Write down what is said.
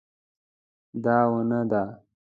دا ونه ده